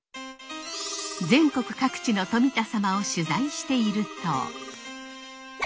全国各地のトミタサマを取材していると。